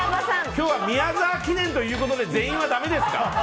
今日は宮澤記念ということで全員はだめですか？